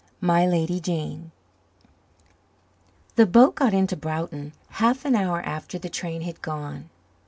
My Lady Jane The boat got into Broughton half an hour after the train had gone.